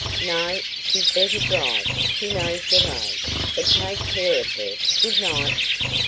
No, she'd better drive she knows the road. But take care of her. Good night."